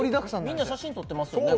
みんな写真撮ってますよね